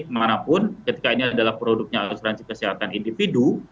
kemanapun ketika ini adalah produknya asuransi kesehatan individu